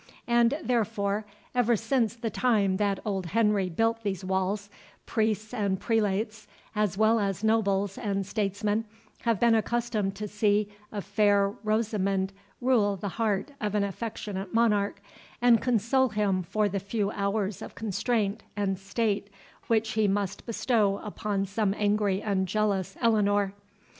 And therefore, ever since the time that old Henry built these walls, priests and prelates, as well as nobles and statesmen, have been accustomed to see a fair Rosamond rule the heart of an affectionate monarch, and console him for the few hours of constraint and state which he must bestow upon some angry and jealous Eleanor.